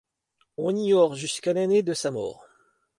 On ignore jusqu'à l'année de sa mort.